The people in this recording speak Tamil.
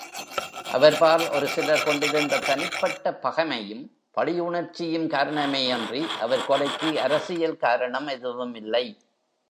அவர்பால் ஒரு சிலர் கொண்டிருந்த தனிப்பட்ட பகைமையும், பழியுணர்ச்சியும் காரணமேயன்றி, அவர் கொலைக்கு அரசியல் காரணம் எதுவுமில்லை.